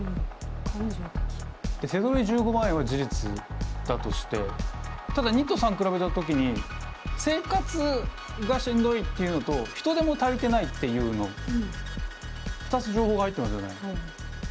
「手取り１５万円」は事実だとしてただ②と③比べた時に生活がしんどいっていうのと人手も足りてないっていうの２つ情報が入ってますよね。